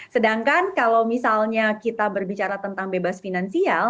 sedangkan kalau misalnya kita berbicara tentang bebas finansial